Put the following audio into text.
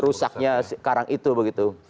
rusaknya sekarang itu begitu